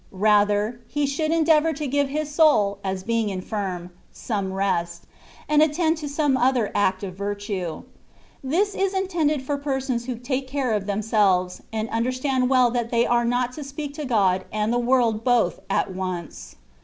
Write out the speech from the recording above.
Rather he should endeavour to give his soul (as being infirm) some rest, and attend to some other act of virtue. This is intended for persons who take care of them selves, and understand well that they are not to speak to God and the world both at once.